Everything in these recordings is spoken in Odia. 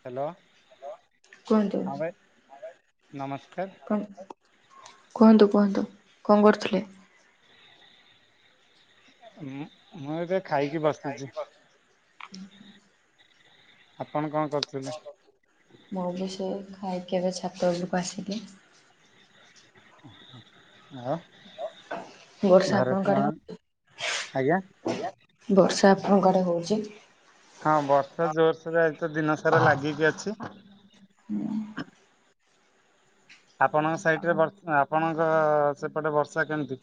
ହ୍ୟାଲୋ କୁହନ୍ତୁ ହଁ ଭାଇ ନମସ୍କାର। କଣ କୁହନ୍ତୁ କୁହନ୍ତୁ କଣ କରୁଥିଲେ? ମ ମୁଁ ଏବେ ଖାଇକି ବସିଚି। ଆପଣ କଣ କରୁଥିଲେ? ମୁଁ ବି ସେଇ ଖାଇକି ଏବେ ଛାତ ଉପରକୁ ଆସିଲି। ଆଉ ବର୍ଷା ଘରେ ଆପଣଙ୍କ ଆଡେ ଛୁଆ, ଆଜ୍ଞା? ବର୍ଷା ଆପଣଙ୍କ ଆଡେ ହଉଚି? ହଁ ବର୍ଷା ଜୋରସୋରେ ଆଜି ତ ଦିନ ସାରା ଲାଗିକି ଅଛି। [inaudible] ଆପଣଙ୍କ ସାଇଟରେ ବର୍ଷା ଆପଣଙ୍କ ସେପଟେ ବର୍ଷା କେମିତି?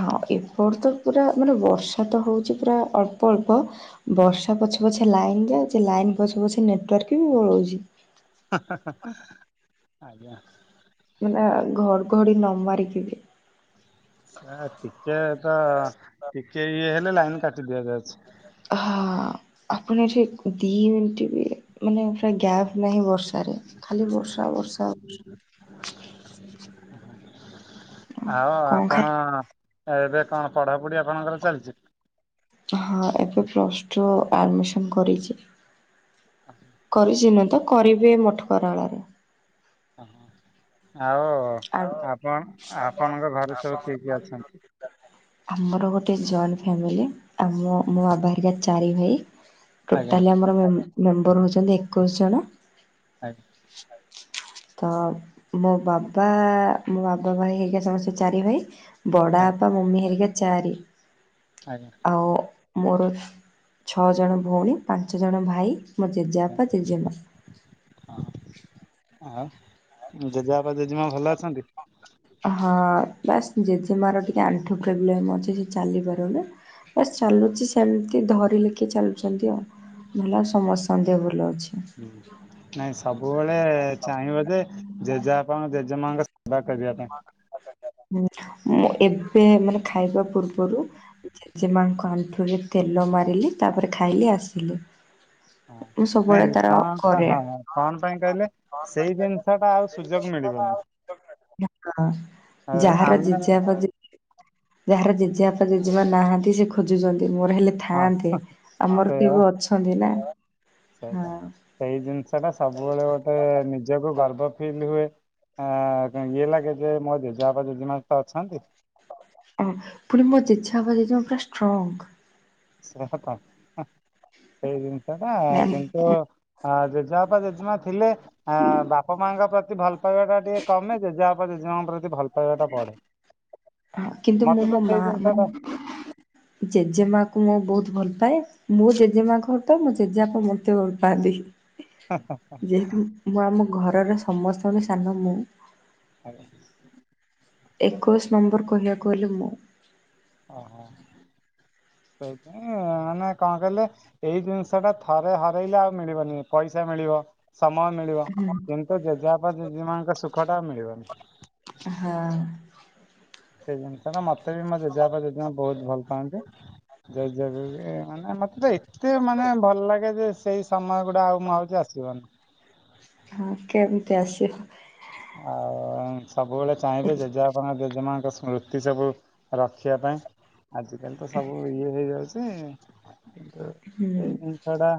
ହଁ ଏପଟ ତ ପୁରା ମାନେ ବର୍ଷା ତ ହେଉଛି ପୁରା ଅଳ୍ପ ଅଳ୍ପ। ବର୍ଷା ପଛେ ପଛେ ଲାଇନ ଯାଉଛି ଲାଇନ ପଛ ପଛେ ନେଟୱାର୍କ ବି ବଳଉଛି। ହା ହା ଆଜ୍ଞା ମାନେ ଘଡଘଡି ନ ମାରିକି ବି। ଆ ଟିକେ ତ ଟିକେ ଇଏ ହେଲେ ଲାଇନ କାଟି ଦିଆଯାଉଛି। ହଁ। ଆପଣ ଏଠି ଦି ମିଣ୍ଟବି ମାନେ ପୁରା ଗ୍ୟାପ୍ ନାହିଁ ବର୍ଷାରେ। ଖାଲି ବର୍ଷା ବର୍ଷା। ଆଉ କଣ ଖା ଆପଣ ଏବେ କଣ ପଢ଼ାପଢ଼ି ଆପଣଙ୍କର ଚାଲିଛି ହଁ ଏବେ ପ୍ଲସ୍ ଟୁ ଆଡ଼ମିସନ୍ କରିଛି। କରିଚି ନୁହେଁ ତ କରିବି ଏ ମଠକରଳାରେ। ଓ ଆଉ ଆଉ ଆପଣ ଆପଣଙ୍କ ଘରେ ସବୁ କିଏ କିଏ ଅଛନ୍ତି? ଆମର ଗୋଟେ ଜଏଣ୍ଟ ଫ୍ୟାମିଲି। ଆଉ ମୋ ମୋ ବାପା ହେରିକା ଚାରି ଭାଇ। ଆଜ୍ଞା ଟୋଟାଲି ଆମର ମେମ୍ବର ହଉଛନ୍ତି ଏକୋଇଶି ଜଣ। ଆଜ୍ଞା। ତ ମୋ ବାବ ବା ମୋ ବାବା ଭାଇ ହେରିକା ସମସ୍ତେ ଚାରି ଭାଇ ବଡ଼ ଆଜ୍ଞା ବାପା ମମି ହେରିକା ଚାରି ଆଜ୍ଞା। ଆଉ ମୋର ଛଅ ଜଣ ଭଉଣୀ ପାଞ୍ଚଜଣ ଭାଇ। ମୋ ଜେଜେବାପା ଜେଜେମା ହଁ ଆଉ ଜେଜେବାପା ଜେଜେମା ଭଲ ଅଛନ୍ତି? ହଁ ବାସ୍ ଜେଜେମାାର ଟିକେ ଆଣ୍ଠୁ ପ୍ରୋବ୍ଲେମ୍ ଅଛି ସେ ଚାଲିପାରୁନି। ବାସ୍ ଚାଲୁଛି ସେମିତି ଧରିଲେ କିଏ ଚାଲ ସେମିତି ଆଉ ଭଲ ସମସ୍ତଙ୍କ ନ୍ଦେହ ଭଲ ଅଛି। ନାଇଁ ସବୁବେଳେ ଚାହିଁବ ଯେ ଜେଜେବାପାଙ୍କ ଜେଜେ ମାଙ୍କ ସେବା କରିବା ପାଇଁ। ଏବେ ମାନେ ଖାଇବା ପୂର୍ବରୁ ଜେଜେମାଙ୍କ ଆଣ୍ଠୁରେ ତେଲ ମାରିଲି ତାପରେ ଖାଇଲି ଆସିଲି। ହଁ ମୁଁ ସବୁବେଳେ ନାଇଁ ତାର କଣ ପାଇଁ କରେ ହଁ କଣ ପାଇଁ କହିଲେ ସେଇ ଜିନିଷ ଟା ଆଉ ସୁଯୋଗ ମିଳିବନି। ଆଜ୍ଞା ହଁ ଆଉ ଯାହାର ଆମେ ଜେଜେବାପା ଜେଜେ ଯାହାର ଜେଜେବାପା ଜେଜେମା ନାହାନ୍ତି ସେ ଖୋଜୁଛନ୍ତି ମୋର ହେଲେ ଥା ହଁ ଥାଆନ୍ତେ ଆମର ସେଇଆ କି ବା ଅଛନ୍ତି ନା ସେଇଟା ହଁ। ସେଇ ଜିନିଷ ଟା ସବୁବେଳେ ଗୋଟେ ନିଜକୁ ଗର୍ବ ଫିଲ୍ ହୁଏ ଆ ଇଏ ଲାଗେ ଯେ ମୋ ଜେଜେବାପା ଜେଜେମା ତ ଅଛନ୍ତି ଅଁ ପୁଣି ମୋ ଜେଜେବାପା ଜେଜେମା ପୁରା ଷ୍ଟ୍ରଙ୍ଗ। ସେଇଟା ତ ସେଇ ଜିନିଷ ଟା ମ୍ୟାମ୍ କିନ୍ତୁ ହ ଜେଜେମାପା ଜେଜେମା ଥିଲେ ଆ ବାପା ମାଙ୍କ ପ୍ରତି ଭଲ ପାଇବା ଟା ଟିକେ କମେ ଜେଜେବାପା ଜେଜେମା ଙ୍କ ପ୍ରତି ଭଲ ଭଲପାଇବାଟା ବଢେ ହଁ, କିନ୍ତୁ ମୁଁ ମତେ ମୋ ତ ମା ସେଇ ଜିନିଷ ମାନେ ଟା ଜେଜେମା କୁ ମୁଁ ବହୁତ ଭଲ ପାଏ। ମୋ ଜେଜେମା କୁ ତ ମୋ ଜେଜେବାପା ମତେ ଭଲପାନ୍ତି। ଯେହେତୁ ମୁଁ ଆମ ଘରର ସମସ୍ତଙ୍କଠୁ ସାନ ମୁଁ ହଉ। ଏକୋଇଶ ନମ୍ବର କହିବାକୁ ଗଲେ ମୁଁ। ଓହୋ ସେଇତ ଉଁ ମାନେ କଣ କହିଲେ ଏଇ ଜିନିଷ ଟା ଥରେ ହରେଇଲେ ଆଉ ମିଳିବନି ପଇସା ମିଳିବ ସମୟ ମିଳିବ ହୁଁ। କିନ୍ତୁ ଜେଜେବାପା ଜେଜେମାନଙ୍କ ସୁଖ ଟା ଆଉ ମିଳିବନି। ହଁ। ସେଇ ଜିନିଷ ଟା ମତେ ବି ମୋ ଜେଜେବାପା ଜେଜେମା ବହୁତ ଭଲ ପାଆନ୍ତି। ସେଇ ଜେଗୁ ଯେ ମାନେ ମତେ ତ ଏତେ ମାନେ ଭଲ ଲାଗେ ଯେ ସେଇ ସମୟ ଗୁଡା ଆଉ ମୁଁ ଆଉ ସେ ଆସିବ ନି। ହଁ କେମିତି ଆସିବ? ଆଉ ସବୁବେଳେ ଚାହିଁବେ ଜେଜା। ଆପଣ ଜେଜେମାଙ୍କ ସ୍ମୃତି ସବୁ ରଖିବା ପାଇଁ ଆଜିକାଲି ତ ସବୁ। ଇଏ ହେଇଯାଉଛି ହୁଁ। ଏଇ ଜିନିଷ ଟା।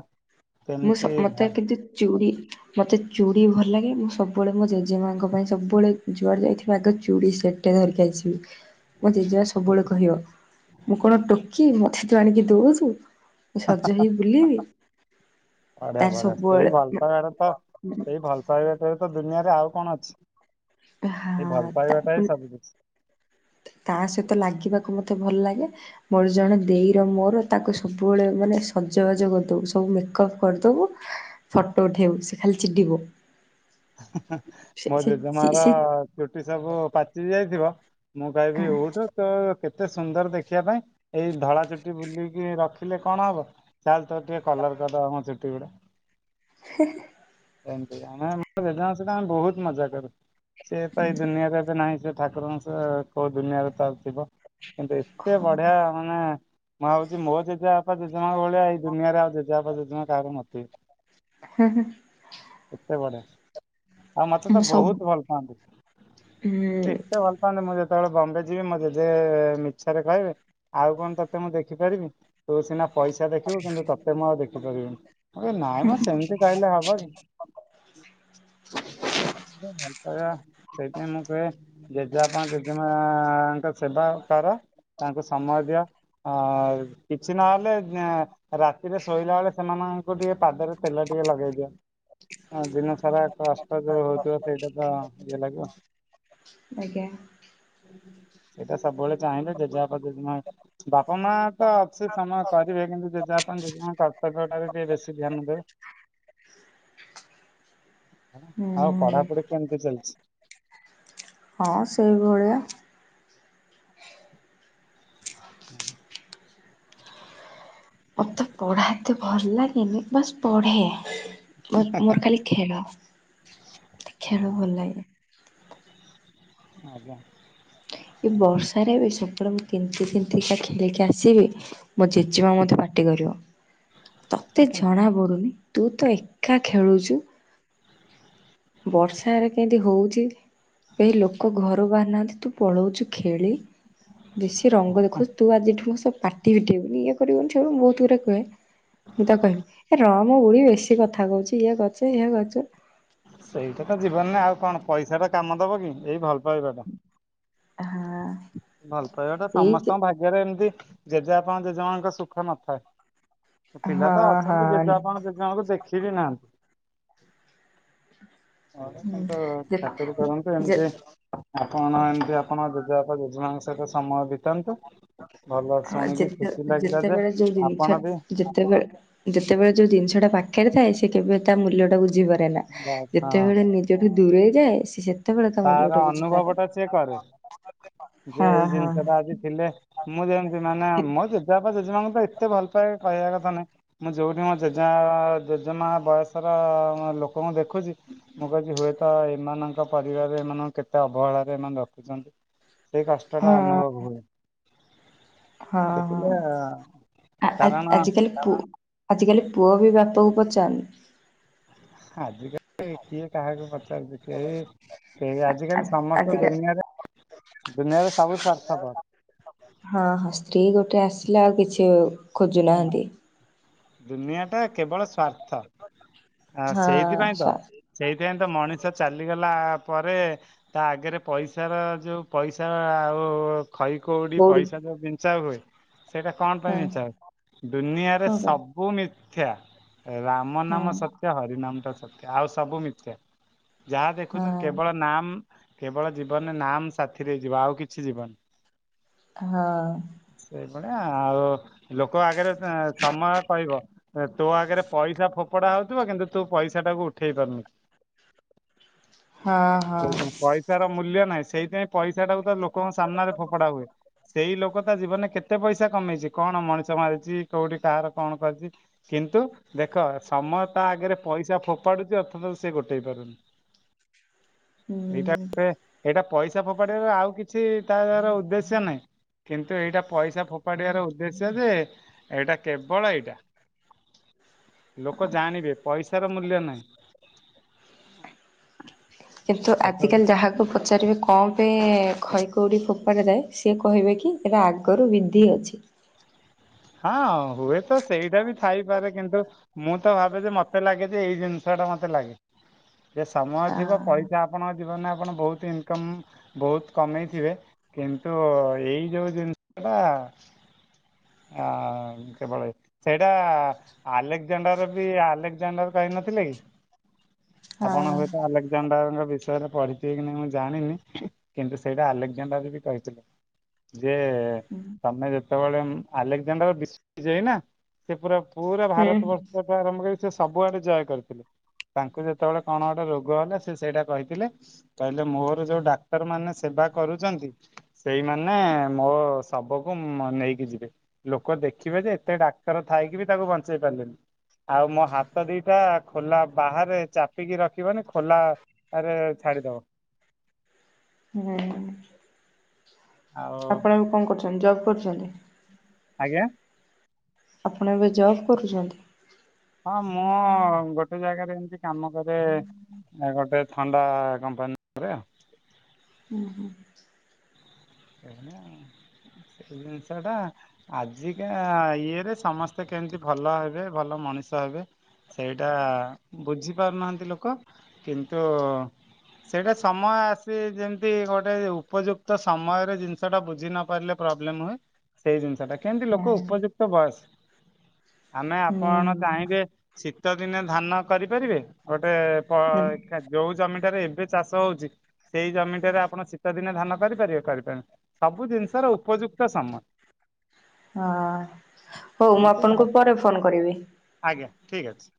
ମୁଁ କେମିତି [unintelligible] ଭ ମୋତେ କିନ୍ତୁ ଚୁଡ଼ି ମୋତେ ଚୁଡ଼ି ଭଲ ଲାଗେ ମୁଁ ସବୁବେଳେ ମୋ ଜେଜେ ମାଆଙ୍କ ପାଇଁ ସବୁବେଳେ ଯୁଆଡ଼େ ଯାଇଥିବି ଆଗେ ଚୁଡ଼ି ସେଟ୍ ଧରିକି ଆସିବି ମୋ ଜେଜେମା ସବୁବେଳେ କହିବ ମୁଁ କଣ ଟୋକି ମୋତେ ତୁ ଆଣିକି ଦଉଛୁ ସଜ ହେଇ ବୁଲିବି ବଢିଆ ତାର ବଢ଼ିଆ ସେଇ ସବୁଆଡେ ଭଲ ପାଇବାଟା ତ ସେଇ ଭଲ ପାଇବା ବ୍ୟତୀତ ଦୁନିଆରେ ଆଉ କଣ ଅଛି ସେ ହଁ ଭଲ ତା ପାଇବାଟା ହିଁ ସବୁ କିଛି ତା ସହିତ ଲାଗିବାକୁ ମୋତେ ଭଲ ଲାଗେ ମୋର ଜଣେ ଦେଇର ମୋର ତାକୁ ସବୁବେଳେ ମାନେ ସଜବାଜ କରିଦେବୁ ସବୁ ମେକଅପ୍ କରିଦେବୁ ଫଟୋ ଉଠେଇବୁ ସେ ଖାଲି ଚିଡିବ ହଁ ହଁ ସେ ମୋ ସେ ଚି ଜେଜେମାର ସେ ଚୁଟି ସବୁ ପାଚି ଯାଇଥିବ ମୁଁ ଗାାଇବିି ଉଉଠୁ ତ କେତେ ସୁନ୍ଦର ଦେଖିବା ପାଇଁ ଏଇ ଧଳା ଚୁଟି ବୁଲିକି ରଖିଲେ କଣ ହବ ଚାଲ ତୋର ଟିକେ କଲର କରିଦେବା ମ ଚୁଟି ଗୁଡା ହେ ହେ ଏମିତି ଆମେ ଆମ ଜେଜେମାଙ୍କ ସହିତ ଆମେ ବହୁତ ମଜା କରୁ ସେ ତ ଏ ଦୁନିଆରେ ଏବେ ନାହିଁ ସେ ଠାକୁରଙ୍କ ସେ କୋଉ ଦୁନିଆରେ ତ ଥିବ ଏତେ ବଢିଆ ମାନେ ମୁଁ ଭାବୁଛି ମୋ ଜେଜେ ବାପା ଜେଜେମା ଭଳିଆ ଏଇ ଦୁନିଆରେ ଆଉ ଜେଜେ ବାପା ଜେଜେମା କାହାର ନଥିବେ ହୁଁ ହୁଁ ଏତେ ବଢିଆ ଆଉ ମୋତେ ତ ମୁଁ ସବୁ ବହୁତ ଭଲ ହୁଁ ପାଆନ୍ତି ଏତେ ଭଲ କହନ୍ତ ମୁଁ ଯେତେବେଳେ ବମ୍ବେ ଯିବି ମୋ ଜେଜେ ମିଛରେ କହିବେ ଆଉ କଣ ତୋତେ ମୁଁ ଦେଖିପାରିବି ତୁ ସିନା ପଇସା ଦେଖିବୁ କିନ୍ତୁ ତୋତେ ମୁଁ ଆଉ ଦେଖି ପାରିବିନି ନାଇଁ ମ ସେମିତି କହିଲେ ହବ କି? ହ [unintelligible] ଭଲ ପାଇବା ସେଇଥି ପାଇଁ ମୁଁ କହେ ଜେଜେବାପା ଜେଜେମା ହାଁ ସେବା କର ତାଙ୍କୁ ସମୟ ଦିଅ କିଛି ନହେଲେ ଏଁ ରାତିରେ ଶୋଇଲା ବେଳେ ସେମାନଙ୍କୁ ଟିକେ ପାଦରେ ତେଲ ଟିକେ ଲଗେଇ ଦିଅ ହଁ ଦିନ ସାରା କଷ୍ଟ ଯୋଉ ହଉଥିବ ସେଇଟା ତ ଇଏ ଲାଗିବ ଆଜ୍ଞା ସେଇଟା ସବୁବେଳେ ଚାହିଁଲେ ଜେଜୋପା ଜେଜେ ମା- ବାପା ମା ତ ଅଛି ସମୟ କରିବେ କିନ୍ତୁ ଜେଜେ ବାପା ଜେଜେ ମା ଙ୍କ କର୍ତ୍ତବ୍ୟଟା କୁ ଟିକେ ବେଶୀ ଧ୍ୟାନ ଦେବେ। ଆଉ ହୁଁ ପଢାପଢି କେମିତି ଚାଲିଛି? ହଁ ସେଇଭଳିଆ ମୋତେ ପଢ଼ାଏତେ ଭଲ ଲାଗେନି ବାସ୍ ପଢ଼େ ମ ମୋର ଖାଲି ଖେଳ ହଁ ଖେଳ ହଁ ଭଲ ଲାଗେ ଆଜ୍ଞା ଏଇ ବର୍ଷାରେ ବି ସତରେ ମୁଁ ତିନ୍ତି ତିନ୍ତିକା ଖେଳିକି ଆସିବି ମୋ ଜେଜେମା ମତେ ପାଟି କରିବ ତୋତେ ଜଣା ପଡୁନି ତୁ ତ ଏକା ଖେଳୁଛୁ ବର୍ଷାରେ କେମିତି ହଉଛି କେହି ଲୋକ ଘରୁ ବାହାରିନାହାନ୍ତି ତୁ ପଳଉଛୁ ଖେଳି ବେଶୀ ରଙ୍ଗ ଦେଖୁଛୁ ତୁ ଆଜିଠୁ ସେ ପା- [unintelligible] କରିବନି ମୁଁ ଯଉଟା କୁହେ ମୁଁ ତାକୁ କହିବି ଏ ରମ ବୁଢ଼ି ବେଶୀ କଥା କହୁଛି ଇଏ କରଚୁ ସେଇୟା କରୁଛୁ ସେଇଟା ତ ଜୀବନରେ ଆଉ କଣ ପଇସା ଟା କାମ ଦବ କି ଏଇ ଭଲ ପାଇବା ହଁ। ଭଲ ପାଇବାଟା ଏଇ ସମସ୍ତଙ୍କ ଭାଗ୍ୟରେ ଏମିତି ଜେଜେବାପାଙ୍କ ଜେଜେମାଙ୍କ ସୁଖ ନଥାଏ। ପିଲା ତ ହଁ ଅଛନ୍ତି ହଁ ଜେଜେବାପାଙ୍କୁ ଜେଜେମାଙ୍କୁ ଦେଖିବି ନାହାନ୍ତି। ହଁ କିନ୍ତୁ ଯେ ଚାକରୀ କରନ୍ତୁ ଯେ ଏମତି ଆପଣ ଏମିତି ଆପଣ ଜେଜେବାପା ଜେଜେମାଙ୍କ ସହିତ ସମୟ ବିତାନ୍ତୁ। ଭଲ ହଁ ଶୁଣିକି ଯେତେ ଖୁସି ଲାଗିଲା ଯେ ଯେତେବେଳେ ଯଉ ଜିନିଷ ଆପଣ ବି ଯେତେବେଳେ ଯେତେବେଳେ ଯୋଉ ଜିନିଷଟା ପାଖରେ ଥାଏ ସେ କେବେ ତା ମୂଲ୍ୟ ଟା ବୁଝିପା ଯେତେବେଳେ ନିଜଠୁ ଦୂରେଇ ଯାଏ ସେ ସେତେବେଳେ ତା ତାର ମୂଲ୍ୟଟା ବୁଝିପାରେ। ଅନୁଭବ ଟା ସିଏ କରେ ଯେ ହଁ ଏଇ ହଁ। ଜିନିଷ ଟା ଆଜି ଥିଲେ ମୁଁ ଯେମିତି ମାନେ ମୋ ଜେଜେବାପା ଜେଜେମାଙ୍କୁ ତ ଏତେ ଭଲ ପାଏ କହିବା କଥା ନାଇଁ। ମୁଁ ଯୋଉଠି ମୋ ଜେଜେ ମା ଯୋଜନା ବୟସର ଲୋକଙ୍କୁ ଦେଖ ଦେଖୁଛି, ମୁଁ କ ହୁଏତ ଏମାନଙ୍କ ପରିବାର ଏମାନଙ୍କୁ କେତେ ଅବହେଳାରେ ଏମାନେ ରଖୁଛନ୍ତି ସେଇ କଷ୍ଟ ହଁ ଟା ଅନୁଭବ ହୁଏ। ହଁ ଦେଖିଲେ ହଁ କାରଣ ଆଜିିକାଲି ପ ଆଜିକାଲି ପୁଅ ବି ବାପାକୁ ପଚାରୁନି। ଆଜିକାଲି କିଏ କାହାକୁ ପଚାରୁଚି ଏଇ ଏ ଆ ଆଜିକାଲି ସମସ୍ତ ଆଜିକା ଦୁନିଆରେ ଦୁନିଆରେ ସବୁ ସ୍ୱାର୍ଥ ପର। ହଁ ହଁ ସ୍ତ୍ରୀ ଗୋଟେ ଆସିଲା ଆଉ କିଛି ନା ଖୋଜୁନାହାନ୍ତି। ଦୁନିଆ ଟା କେବଳ ସ୍ଵାର୍ଥ। ଆ ହଁ ସେଇଥିପାଇଁ ତ ସା ସେଇଥିପାଇଁ ତ ମଣିଷ ଚାଲିଗଲା ପରେ ତା ଆଗରେ ପଇସାର ଯେଉ ପଇସା ଆଉ ଖଇ କଉଡ଼ି କୋଉଠି ପଇସା ଯୋଉ ବିଞ୍ଚା ହୁଏ ସେଇଟା କଣ ହଁ ପାଇଁ ବିଞ୍ଚା ହୁଏ? ଦୁନିଆରେ କଣ ପାଇଁ ସବୁ ସବୁ ମିଥ୍ୟା ରାମ ହଁ ନାମ ସତ୍ୟ ହରିନାମ ଟା ସତ୍ୟ ଆଉ ସବୁ ମିଥ୍ୟା ଯାହା ଦେଖୁଛନ୍ତି ହଁ କେବଳ ନାମ କେବଳ ଜୀବନରେ ନାମ ସାଥିରେ ଯିବ ଆଉ କିଛି ଯିବନି। ହଁ। ସେଇଭଳିଆ ଆଉ ଲୋକ ଆଗରେ ସମୟ କହିବ ତୋ ଆଗରେ ପଇସା ଫୋପଡା ହଉଥିବ କିନ୍ତୁ ତୁ ପଇସା ଟାକୁ ଉଠେଇ ପାରୁନି ହଁ ହଁ ଆଜ୍ଞା। ପଇସାର ମୂଲ୍ୟ ନାହିଁ ସେଇଥିପାଇଁ ପଇସା ଟାକୁ ତ ଲୋକଙ୍କ ସାମ୍ନାରେ ଫୋପଡା ହୁଏ। ସେଇ ଲୋକ ତା ଜୀବନରେ କେତେ ପଇସା କମେଇଛି କଣ ମଣିଷ ମାରିଛି କୋଉଠି କାହାର କଣ କରିଛି? କିନ୍ତୁ ଦେଖ ସମୟ ତା ଆଗରେ ପଇସା ଫୋପାଡୁଛି ଅର୍ଥ ତ ସେ ଗୋଟେଇ ପାରୁନି। ଏଇଟା ହୁଁ ଏଇଟା ପଇସା। ଚା ଫୋପାଡି ଆଉ କିଛି ତାର ଉଦ୍ଦେଶ୍ୟ ନାହିଁ। କିନ୍ତୁ ଏଇଟା ପଇସା ଫୋପାଡିବାର ଉଦ୍ଦେଶ୍ୟ ଯେ ଏଇଟା କେବଳ ଏଇଟା ଲୋକ ଜାଣିବେ। ପଇସାର ମୂଲ୍ୟ ନାହିଁ ତାକୁ ତାକୁ ପଚାରିବେ କଣ ପାଇଁ ଖଇ କଉଡ଼ି ଫୋପଡ଼ା ଯାଏ ସିଏ କହିବେ କି ଏଇଟା ଆଗରୁ ବିଧି ଅଛି। ହଁ ହୁଏ ତ ସେଇଟା ବି ଥାଇପାରେ କିନ୍ତୁ ମୁଁ ତ ଭାବେ ଯେ ମତେ ଲାଗେ ଯେ ଏଇ ଜିନିଷ ଟା ମତେ ଲାଗେ ଯେ ସମୟ ଆ ଥିବ ପଇସା। ଆପଣଙ୍କ ଜୀବନରେ ଆପଣ ବହୁତ ଇନକମ୍ ବହୁତ କମେଇଥିବେ। କିନ୍ତୁ ଏଇ ଯୋଉ ଜିନିଷ ଟା କେବେଳ ସେଇଟା ଆଲେକ୍ଜାଣ୍ଡର ବି ଆଲେକ୍ଜାଣ୍ଡର କହିନଥିଲେ କି? ଆପଣ ହଁ ହୁଏତ ଆଲେକ ବିଷୟରେ ପଢିଥିବ କି ନା ମୁଁ ଜାଣିନି କିନ୍ତୁ ସେଇଟା ଆଲେକଜାଣ୍ଡାର ବି କହିଥିଲେ। ଯେ ତମେ ଯେତେବେଳେ ଆଲେକଜାଣ୍ଡର ବି ବିଜୟ ନା ସେ ପୁରା ପୁରା ହୁଁ ଭାରତ ବର୍ଷ ଆରମ୍ଭ କରି ସେ ସବୁଆଡେ ଜୟ କରିଥିଲେ। ତାଙ୍କୁ ଯେତେବେଳେ କଣ ଗୋଟେ ରୋଗ ହେଲା ସେ ସେଇଟା କହିଥିଲେ। କହିଲେ ମୋର ଯୋଉ ଡାକ୍ତର ମାନେ ସେବା କରୁଛନ୍ତି ସେଇମାନେ ମୋ ଶବକୁ ଉଁ ନେଇକି ଯିବେ। ଲୋକ ଦେଖିବେ ଯେ ଏତେ ଡାକ୍ତର ଥାଇକି ବି ତାକୁ ବଞ୍ଚେଇ ପାରିଲେନି। ଆଉ ମୋ ହାତ ଦିଇଟା ଖୋଲା ବାହାରେ ଚାପିକି ରଖିବନି ଖୋଲା ରେ ଛାଡ଼ିଦବ। ହୁଁ। ଆଉ ଆପଣ ଏବେ କଣ କରୁଛନ୍ତି ଜବ୍ କରୁଛନ୍ତି? ଆଜ୍ଞା। ଆପଣ ଏବେ ଜବ୍ କରୁଛନ୍ତି? ହଁ ମୁଁ ଗୋଟେ ଜାଗାରେ ଏମତି କାମ କରେ। ଆ ଗୋଟେ ଥଣ୍ଡା କମ୍ପାନୀରେ। ଉଁ ହୁଁ। ଏଇ ଭଳିଆ ଆଉ [inaudible] ସେଇ ଜିନିଷଟା। ଆଜିକା ଇଏରେ ସମସ୍ତେ କେମିତି ଭଲ ହେବେ ଭଲ ମଣିଷ ହେବେ ସେଇଟା ବୁଝି ପାରୁନାହାନ୍ତି ଲୋକ କିନ୍ତୁ ସେଇଟା ସମୟ ଆସି ଯେମିତି ଗୋଟେ ଉପଯୁକ୍ତ ସମୟ ସେଇ ଜିନିଷ ଟା ବୁଝି ନ ପାରିଲେ ପ୍ରୋବ୍ଲେମ୍ ହୁଏ ସେଇ ଜିନିଷ ଟା କେମିତି ହୁଁ ଲୋକ ଉପଯୁକ୍ତ ବସ୍ ଆମେ ହୁଁ ଆପଣ ଚାହିଁବେ ଶୀତ ଦିନେ ଧାନ କରିପାରିବେ ଗୋଟେ କ ହଁ। ଖ [inaudible] ଯୋଉ ଜମିଟାରେ ଏବେ ଚାଷ ହଉଛି ସେଇ ଜମିଟାରେ ଆପଣ ଶୀତ ଦିନେ ଧାନ କରିପାରିବେ କରିପା ସବୁ ଜିନିଷର ଉପଯୁକ୍ତ ସମସ୍ତ। ହଁ ହଉ ମୁଁ ଏମିତି ଆଉ ଆପଣଙ୍କୁ ପରେ ଫୋନ କରିବି। ଆଜ୍ଞା ଠିକ୍ ଅଛି।